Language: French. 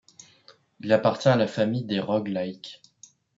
Il appartient à la famille des rogue-like.